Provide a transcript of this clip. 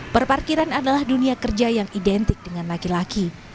perparkiran adalah dunia kerja yang identik dengan laki laki